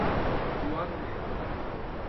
জোয়ান হতে হবে!